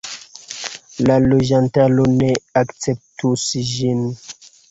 La loĝantaro ne akceptus ĝin.